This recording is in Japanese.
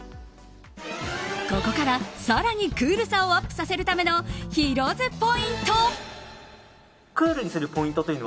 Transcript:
ここから更にクールさをアップさせるためのヒロ’ｓポイント。